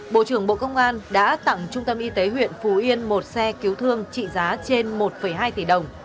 bộ trưởng bộ công an đã tặng trung tâm y tế huyện phú yên một xe cứu thương trị giá trên một hai tỷ đồng